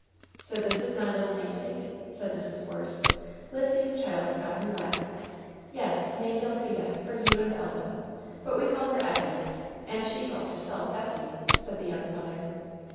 "So this is my little namesake?" said Mrs, Force, lifting the child upon her lap. "Yes, named Elfrida, for you and Elva ; but we call her Effie, and she calls herself Essie," said the young mother.